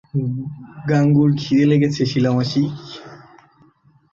গাঙুর ক্ষিদে লেগেছে, শিলা মাসি।